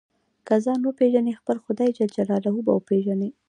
که ځان وپېژنې خپل خدای جل جلاله به وپېژنې.